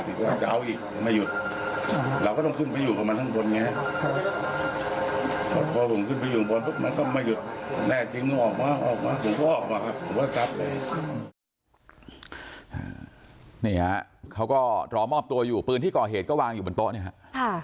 นี่ฮะเขาก็รอมอบตัวอยู่ปืนที่ก่อเหตุก็วางอยู่บนโต๊ะเนี่ยฮะ